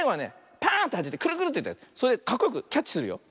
パーンってはじいてくるくるってそれでかっこよくキャッチするよ。